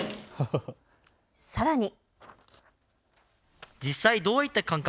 さらに。